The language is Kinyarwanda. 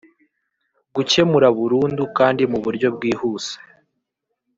Gukemura burundu kandi mu buryo bwihuse